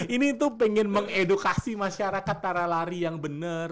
ini tuh pengen mengedukasi masyarakat cara lari yang benar